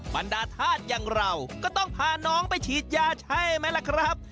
บรรดาธาตุอย่างเราก็ต้องพาน้องไปฉีดยาใช่ไหมล่ะครับ